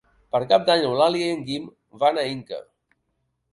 Per Cap d'Any n'Eulàlia i en Guim van a Inca.